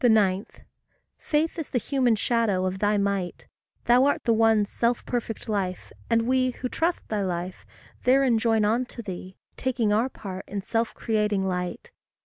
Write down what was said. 9. Faith is the human shadow of thy might. Thou art the one self perfect life, and we Who trust thy life, therein join on to thee, Taking our part in self creating light.